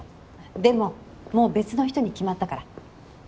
でももう別の人に決まったから。